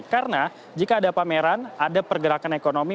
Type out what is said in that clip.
karena jika ada pameran ada pergerakan ekonomi